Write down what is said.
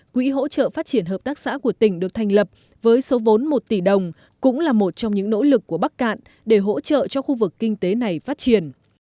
quỹ hỗ trợ phát triển hợp tác xã của tỉnh được thành lập với số vốn một tỷ đồng cũng là một trong những nỗ lực của bắc cạn để hỗ trợ cho khu vực kinh tế này phát triển